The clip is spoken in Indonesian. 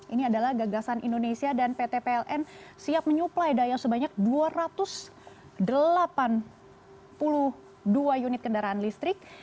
ini adalah gagasan indonesia dan pt pln siap menyuplai daya sebanyak dua ratus delapan puluh dua unit kendaraan listrik